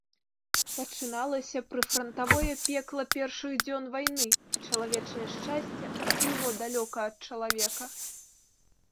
Пачыналася прыфрантавое пекла першых дзён вайны, і чалавечае шчасце адплыло далёка ад чалавека.